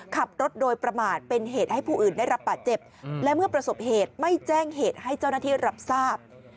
ขับรถโดยประมาทเป็นเหตุให้ผู้อื่นได้รับบาดเจ็บและเมื่อประสบเหตุไม่แจ้งเหตุให้เจ้าหน้าที่รับทราบ